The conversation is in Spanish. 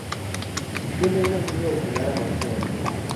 Tienen un anillo ocular amarillo ancho.